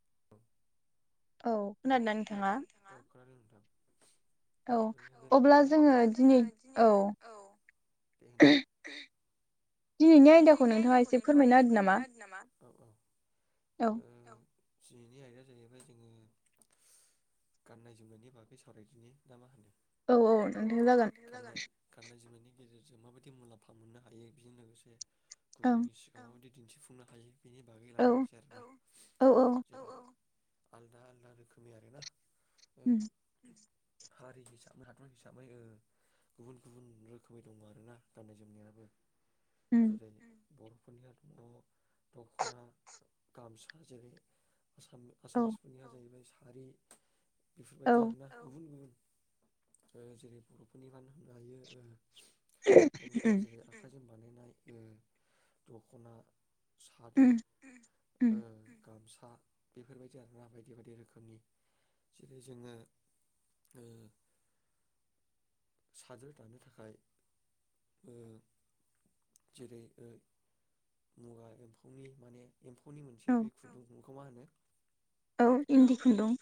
[inaudible] औ खोनादोंना नोंथाङा [inaudible] औ अब्ला जोङो दिनै औ दिनैनि आयदाखौ नोंथाङा एसे फोरमायना होदों नामा औ दिनैनि आयदाया जाहैबाय जोङो गाननाय जोमनायनि बागै सावरायदिनि ना मा होनो औ औ जागोन गेजेरजों माबायदि मुलाम्फा मोननो हायो बेजों लोगोसे [inaudible] औ दिन्थिफुंनो हायो बिनि बागै रायलायनोसै आरो औ औ आलदा आलदा रोखोमै आरोना औ हारि हिसाबै हादर हिसाबै गुबुन गुबुन रोखोमै दङ आरोना गाननाय जोमनायाबो [inaudible] बर'फोरनिया थ' दख'ना गामसा जेरै आसाम-आसामिसफोरनिया जाहैबाय सा आरि बेफोरबायदि आरो ना गुबुन गुबुन ओ जेरै बर'फोरनिबा नों होननो हायो ओ [unintelligible] जों बानायनाय ओ दख'ना सादोर ओ गामसा बा बेफोरबायदि आरोना बायदि बायदि रोखोमनि जेरै जोङो ओ सादोर दानो थाखाय ओ जेरै ओ मुगा एम्फौनि माने एम्फौनि मोनसेया बै खुदुं खौ मा होनो? औ इन्दि खुन्दुं।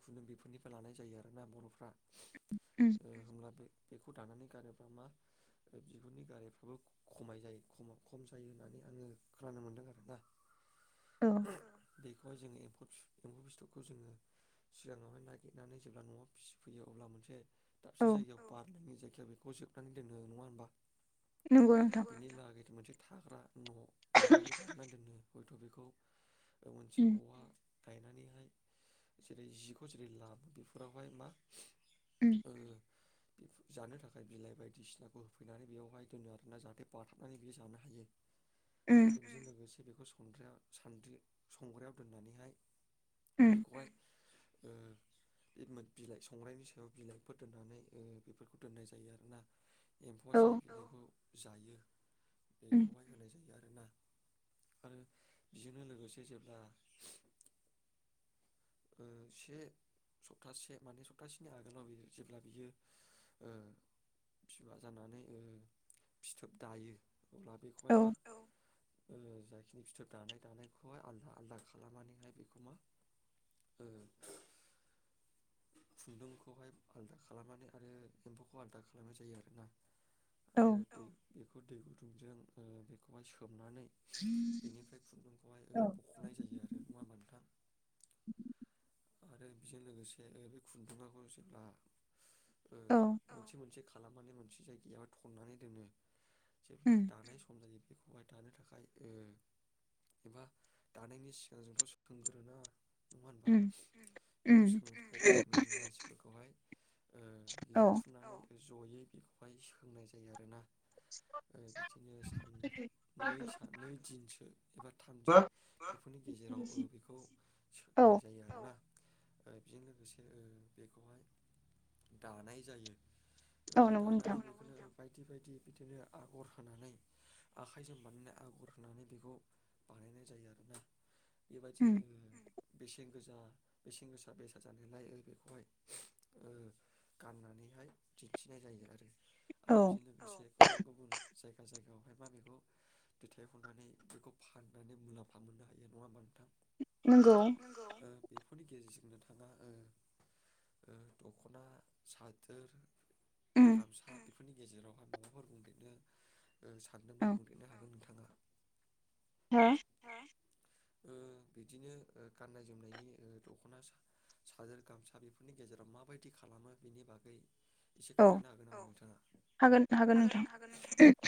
खुन्दुं बेफोरनिफ्राय लानाय जायो आरोना बर'फ्रा। उम मा बे बेखौ दानानै गानोबा मा बिगुरनि गारायफ्राबो खमाय जायो ख-खम जायो होननानै आङो खोनानो मोनदों आरोना। औ। बेखौहाय जोङो एम्फौ एम्फौ फिथोबखौ जोङो सिगाङावहाय नागिरनानै जेब्ला न'आव फिसिफैयो अब्ला मोनसे दाबसे जायगायाव बार जायखिजाया बेखौ जोबनानै दोनो नङा होनबा नंगौ नोंथां मोनसे थाग्रा न' बेफोरबायदि बानायना दोनो हयथ' बेखौ मोनसे ओवा गायनानैहाय जेरै जिखौ जेरै लामो बेफोरावहाय मा ओम ओ जानो थाखाय बिलाइ बायदिसिनाखौ होफैनानै बेवहाय दोनो आरोना जाहाथे बाथाबनानै बियो जानो हायो बिजों लोगोसे बेखौ [inaudible] सानद्रि संग्रायाव दोननानैहाय बेखौहाय ओ मोन बिलाइ संग्रायनि सायाव बिलाइ फोर दोननानै बेफोरखौ दोननाय जायो आरोना एम्फौआ जाय बिलायखौ जायो बेखौहाय होनाय जायो आरोना। आरो बेजोंनो लोगोसे जेब्ला ओ से सप्तासे माने सप्तासेनि आगोलाव जेब्ला बियो ओ बिबार जानानै फिथोब दायो अब्ला बिखौ हाय मा ओ जाखिनि फिथोब दानाय दानायखौहाय आलदा आलदा खालामनानैहाय बेखौ मा ओ। खुन्दुंखौहाय आलदा खालामनानै आरो एम्फौखौ आलादा खालामनाय जायो आरो ना ‌। आरो बेखौ दै गुदुं गुदुंजों ओ बेखौहाय सोमनानै बेनिफ्राय खुन्दुंखौहाय ओ बख'नाय जायो आरो बे मा [unintelligible] मोनथाम [inaudible] आरो बिजों लोगोसे बे खुन्दुंयाखौ जेब्ला ओ मोनसे मोनसे खालामनानै मोनसे जायगायाव थननानै दोनो। जेब्ला दानाय सम जायो बेखौ दानो थाखाय ओ एबा दानायनि सिगांजोंथ' सुखांग्रोयोना नंङा होनबा बे गामिनि [inaudible] बेखौहाय ओ लिंथुमनानै औ जयै बेखौहाय सोंनाय जायो आरोना ओ बिदिनो साननै साननै दिनसो एबा थाम दिन बेफोरनि गेजेराव ओ बेखौ सोंनाय जायो आरोना औ [unintelligible] बेजों लोगोसे ओ बेखौहाय दानाय जायो ओ दानानै बेखौनो बायदि बायदि बिदिनो आगर होनानै आखाइजों बानायनाय आगर होनानै बेखौ बानायनाय जायो आरोना बेबायदि बेसेन गोसा बेसेन गोसा बेसाद जानायलाय ओ बेखौहाय ओ गाननानैहाय दिन्थिनाय जायो आरो आरो बिजों लोगोसे गुबुन गुबुन जायगायावहाय बा बेखौ दैथाय हरनानै बेखौ फाननानै मुलाम्फा मोननो हायो नङा होमबा नोंगौ। बेफोरनि गेजेरजोंनो बा ओ ओ द'खना सादोर गामसा इफोरनि गेजेरावहाय [unintelligible] [unintelligible] ओ बिदिनो ओ गाननाय जोमनायनि ओ द'खना सा सादोर गामसा बेफोरनि गेजेराव माबायदि खालामो बिनि बागै एसे खोन्थानो हागोन ना नोंथाङा? हागोन हागोन नोंथां।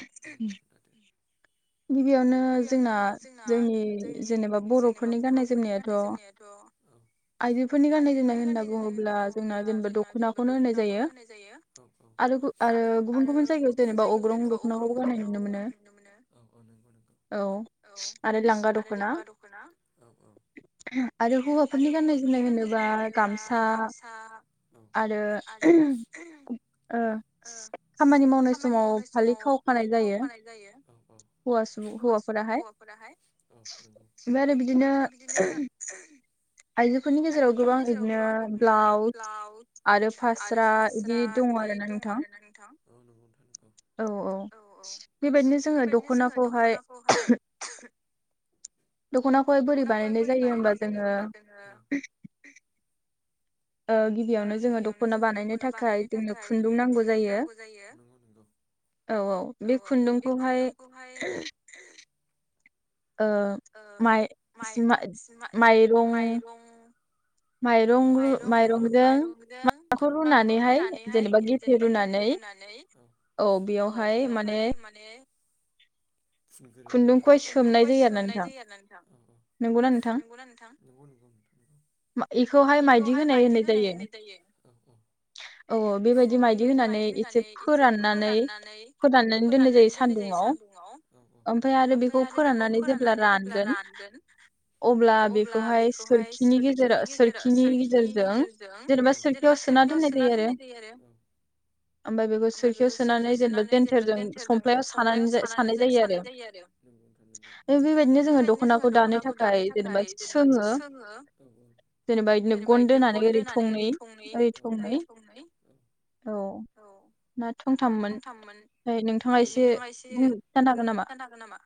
गिबियावनो जोंना जोंनि जेनेबा बर'फोरनि गाननाय जोमनायाथ' आइजो आइजोफोरनि गाननाय जोमनाय होनना बुङोब्ला जोंना जेनेबा दख'नाखौनो होननाय जायो आरो बु आरो गुबुन गुबुन जायगायाव जेनेबा अग्रं दख'नाखौबो गाननाय नुनो मोनो। औ आरो लांगा दख'ना आरो हौवाफोरनि गाननाय जो फोरनि गाननाय जोमनाय होनोबा गामसा आरो ओ खामानि मावनाय समाव फालि खाव खानाय जायो औ औ हौवा सुबुं हौवाफोराहाय ओमफ्राय आरो बिदिनो आइजोफोरनि गेजेराव गोबां बिदिनो ब्लाउट आरो फास्रा इदि दङ आरो ना नोंथां औ औ बेबायदिनो जोङो दख'नाखौहाय दख'नाखौहाय बोरै बानायनाय जायो होनबा जोङो [inaudible] गिबियावनो जोङो दख'ना बानायनो थाखाय जोंनो खुन्दुं नांगौ जायो औ औ बे खुन्दुंखौहाय ओह माइ सो माइरं माइरंरु माइरंजों माखौ रुनानैहाय जेनेबा गेफे रुनानै औ बेयावहाय माने खुन्दुंखौ खुन्दुंखौहाय सोमनाय नोंथां नंगौना नोंथां मा बेखौहाय माइदि होनाय होनाय जायो औ बेबायदि माइदि होनानै एसे फोराननानै फोराननानै दोननाय जायो सानदुंआव ओमफ्राय आरो बेखौ फोराननानै गोन अब्ला बेखौहाय सोरखिनि गेजेर सोरखिनि गेजेराव सोरखिनि गेजेरजों जेनेबा सोरखियाव सोना दोननाय जायो आरो ओमफाय बेखौ सोरखियाव सोनानै जेनेबा देन्थेरजों संफ्लायाव सानानै साननाय जायो आरो बेबायदिनो जोङो दख'नाखौ दानो थाखाय जेनेबा सोङो जेनेबा बिदिनो गन दोनानै ओरै थंनै ओरै थंनै औ ना थंथाममोन ओमफ्राय नोंथाङा एसे बुंनो खिन्थानो हागोन नामा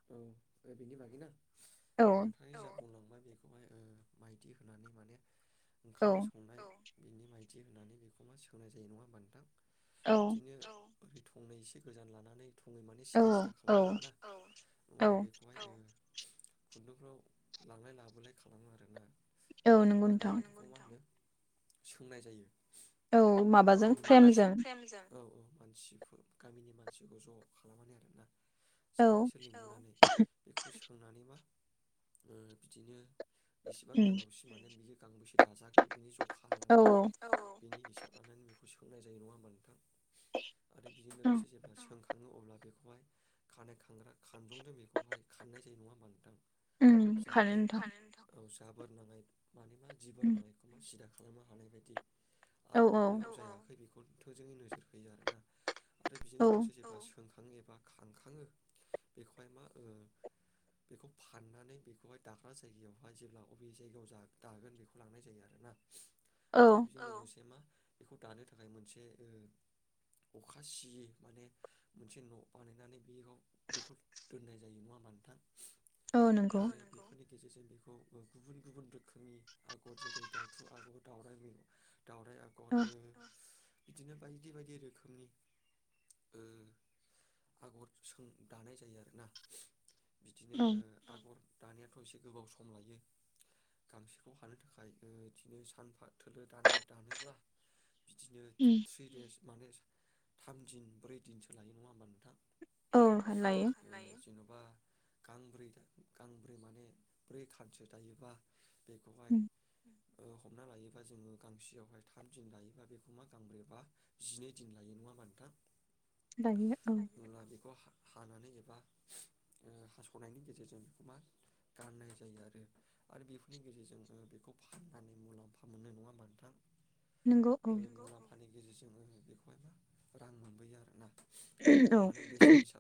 बिनि बागै औ ओमफ्राय बेखौहाय ओह माइदि होनानै माने ओंखामनि संनाया औ बिनि मायदि होनानै बेखौ मा सोंनाय जायो नङा होनबा नोंथां? बिदिनो [unintelligible] औ औ। औ। खुन्दुंफ्राव लांलाय लाबोलाय खालामो आरोना? ओ नंगौ नोंथां। सोंनाय जायो। औ माबाजों फ्रेमजों। औ औ मानसिफोर गामिनि मानसिखौ ज' खालामनानै आरोना सानैसो लेंनानै। सोंनानै बा ओ बिदिनो बिसिबां गोलावसिम माने बियो गांबैसे दाजागोन बिनि जखा लानानै बिनि हिसाबानो सोंनाय जायो नङा होमबा नोंथां? आरो बेजों लोगोसे जेब्ला औ बेखौहाय खानाय खानग्रा खानजंजों बेखौहाय खाननाय जायो नङा होनबा नोंथां? जाहाते उम खानो नोंथां औ। गाबोर नालाय। मानि मा जिबन नालाय एखौ सिदा खालामनो हानाय बायदि। आरोबाव बेेयाव औ-औ जायाखै बे थ' जों नोजोर फैयो आरोना। आरो बिजों लोगोसे जों गो सोखाङो एबा खांखाङो बेखौहाय मा ओ बेखौ फाननानै बेखौहाय दाग्रा जायगायावहाय जेब्ला अबे जायगायाव जा-दागोन बेखौ लांनाय जायो आरोना। आरो बेजों लोगोसे मा औ बेखौ दानो थाखाय मोनसे ओ अखा सियै माने मोनसे न' बानायनानै बेयाव बेखौ दोननाय जायो नङा नोंथां औ नंगौ। गेजेरजों बेखौ ओ गुबुन-गुबुन रोखोमनि आगर जेरै दाउथु आगर दावउराय मे दाउराइ आगर ओ बिदिनो बायदि बायदि रोखोमनि ओ आगर सों दानाय जायो आरोना। बिदिनो ओ आगर दानियाथ' एसे गोबाव सम लायो गामसाखौ हानो थाखाय बिदिनो सानफा थोलो दानो दानोब्ला बिदिनो थ्रि देस माने थाम दिन ब्रै दिनसो लायो नङा होमबा नोंथां। औ लायो गांब्रै गांब्रै माने ब्रै खानसो दायोबा बे उम ओ हमना लायोबा जोङो होमब्ला बेखौ हानानै एबा ओ हास'नायनि गेजेरजों बेखौ मा गाननाय जायो। आरो आरो बेफोरनि गेजेरजों जोङो बेखौ फाननानै मुलाम्फा मोन नङा होनबा नोंथां। नोंगौ औ गेजेरजोंबो बेखौहाय रां मोनबोयो आरोना। ओम माने बे जेनिसा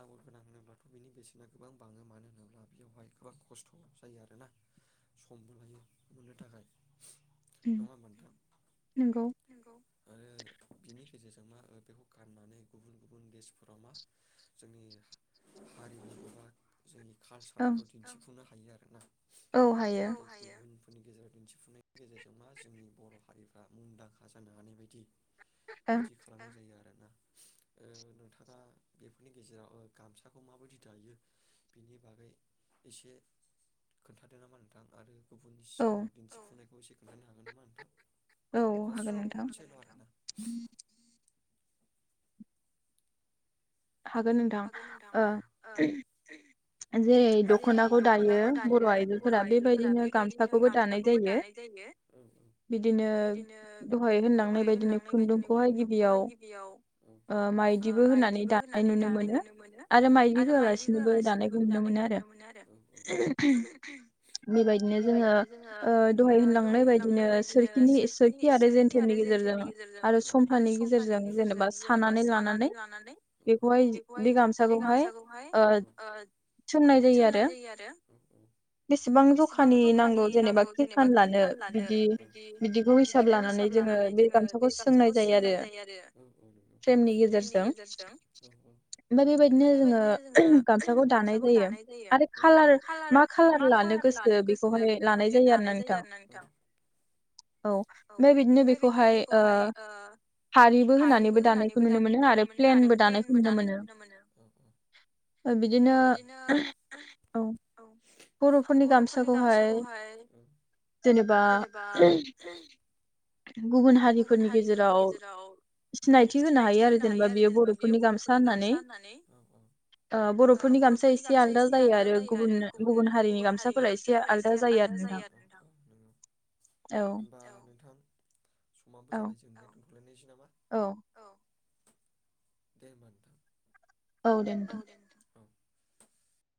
आङो गोनां होनोब्लाथ' बिनि बेसेना गोबां बाङो मानो होनोब्ला बेयावहाय गोबां खस्थ' जायो आरोना समबो लायो मोननो थाखाय नङा होनबा नोंथां? नोंगौ आरो बिनि गेजेरजों मा बेखौ गाननानै गुबुन गुबुन गेसफोराव मा जोंनि हारिमुखौहा जोंनि कालसारखौ दिनथिफुंनो हा हायो आरोना औ हायो फोरनि गेजेराव दिनथिफुंनायनि गेजेरजों मा जोंनि बर' हारिफ्रा मुंदांखा जानो हानाय बायदि बिदि खालामनाजायो आरो आरोना ओ नोंथाङा बेफोरनि गेजेराव ओ गामसाखौ माबादि दायो बेनि बागै एसे खोनथादो नामा नोंथां आरो गुबुननि सिगाङाव दिनदिफुंनायखौ एसे खोनथानो हागोन नामा नोंथां औ हागोन नोंथां हागोन नोंथां ओ जेरै दख'नाखौ दायो बर' आइजोफोरा बेबायदिनो गामसाखौबो दानाय जायो बिदिनो दहाय होनलांनाय बायदिनो खुन्दुंखौहाय गिबियाव ओ माइदिबो होनानै दानाय नुनो दानाय नुनो मोनो आरो मायदि होआलासिनो दानायखौ नुनो मोनो आरो बेबायदिनो जोङो ओ दहाय होनलांनाय बादिनो सोरखिनि सोरखि आरो जेन्थेरनि गेजेरजों आरो समफ्लानि गेजेरजों जेनेबा सानानै लानानै गयाय बे गामसा खौहाय ओ सोंनाय जायो आरो बेसेबां जखानि नांगौ जेनेबा खिरखान लानो बिदि बिदिखौ हिसाब लानानै जोङो बे गामसाखौ सोंनाय जायो आरो फ्रेमनि गेजेरजों ओमफ्राय बेबायदिनो जोङो गामसाखौ द जायो आरो खालार मा कालार लानो गोसो बेखौहाय लानाय जायो आरो ना नोंथां औ ओमफ्राय बिदिनो बेखौहाय हारिबो होनानैबो दानायखौ नुनो मोनो आरो प्लेनबो दानायखौ नुनो मोनो ना मोनो। बिदिनो औ बर'फोरनि गामसाखौहाय जेनेबा [unintelligible] गुबुन हारिफोरनि गेजेराव सिनायथि होनो हायो आरो जेनेबा बियो बर'फोरनि गामसा होननानै होननानै ओ बर'फोरनि गामसा एसे आलदा जायो आरो गुबुन गुबुन हारिनि गामसाफोरा एसे आलदा जायो आरो नोंथां। समाबो जाबाय जों दगलायनायसै नामा औ। [unintelligible] औदे।